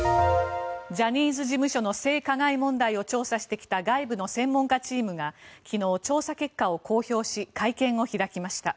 ジャニーズ事務所の性加害問題を調査してきた外部の専門家チームが昨日調査結果を公表し会見を開きました。